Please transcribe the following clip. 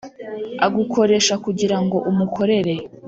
agukoresha kugira ngo umukorere,